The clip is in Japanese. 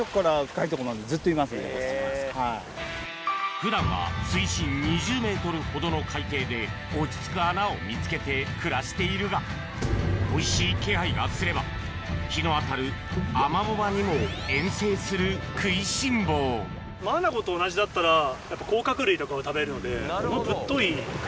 普段は水深２０ｍほどの海底で落ち着く穴を見つけて暮らしているがおいしい気配がすれば日の当たるアマモ場にも遠征する食いしん坊そういうことなんだすげぇ。